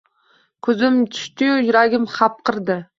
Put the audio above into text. Ko’zim tushdiyu yuragim hapriqdi.